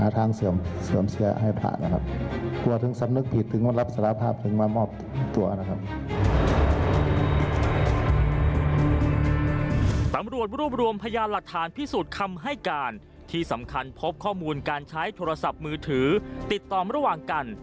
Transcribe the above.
ตำรวจรวบรวมพยานหลักฐานพิสูจน์คำให้การที่สำคัญพบข้อมูลการใช้โทรศัพท์มือถือติดต่อระหว่างกัน